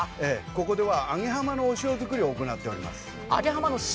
ここでは揚げ浜の塩作りを行っています。